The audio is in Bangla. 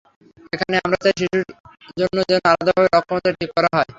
এখানে আমরা চাই, শিশুর জন্য যেন আলাদাভাবে লক্ষ্যমাত্রা ঠিক করা হয়।